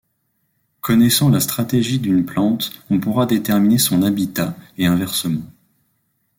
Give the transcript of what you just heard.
Connaissant la stratégie d'une plante, on pourra déterminer son habitat, et inversement.